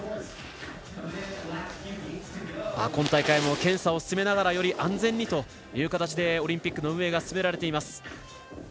今大会も検査を進めながらより安全にという形でオリンピックの運営が進められています。